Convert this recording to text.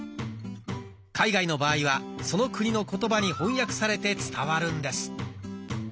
海外の場合はその国の言葉に翻訳されて伝わるんです。